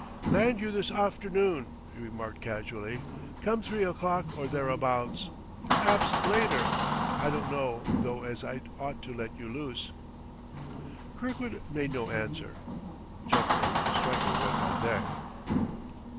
"Land you this arternoon," he remarked casually, "come three o'clock or thereabahts. Per'aps later. I don't know, though, as I 'ad ought to let you loose." Kirkwood made no answer. Chuckling, Stryker went on deck.